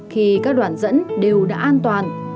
khi các đoạn dẫn đều đã an toàn